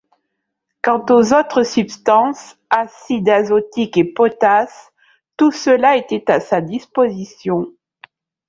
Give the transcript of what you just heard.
Quant aux autres substances, acide azotique et potasse, tout cela était à sa disposition